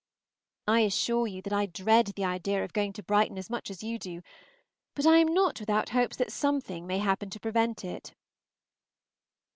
I assure you that I dread the idea of going to Brighton as much as you do, but I am not without hopes that something may happen to prevent it.